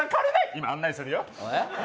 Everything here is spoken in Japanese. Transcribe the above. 今案内するよ。